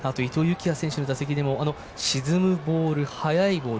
季也選手の打席でも沈むボール、速いボール